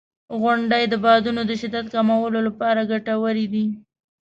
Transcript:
• غونډۍ د بادونو د شدت کمولو لپاره ګټورې دي.